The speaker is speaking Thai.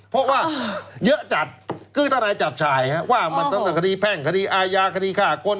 เพราะว่าเยอะจัดคือทนายจับฉายว่ามันตั้งแต่คดีแพ่งคดีอาญาคดีฆ่าคน